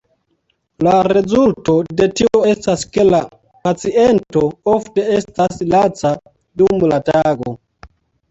La rezulto de tio estas ke la paciento ofte estas laca dum la tago.